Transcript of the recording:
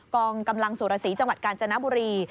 กองกำลังสุรสีจังหวัดกาญจนบุรี